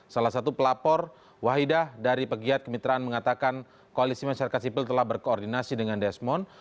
salah satu pelapor wahidah dari pegiat kemitraan mengatakan koalisi masyarakat sipil telah berkoordinasi dengan desmond